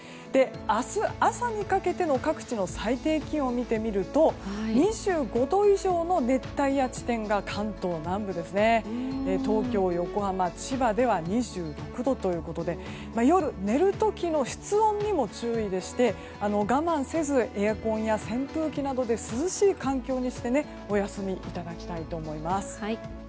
明日朝にかけての各地の最低気温を見てみると２５度以上の熱帯夜地点が関東南部ですね東京、横浜、千葉では２６度ということで夜寝る時の室温にも注意でして我慢せずエアコンや扇風機などで涼しい環境にしてお休みいただきたいと思います。